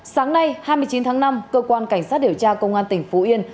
sáng nay hai mươi chín tháng năm cơ quan cảnh sát điều tra công an tỉnh phú yên